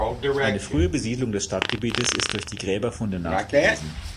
Eine frühe Besiedlung des Stadtgebiets ist durch Gräberfunde nachgewiesen.